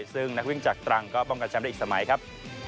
ซึ่งนักวิ่งจากตรังก็ป้องกันแชมป์ได้อีกสมัยครับ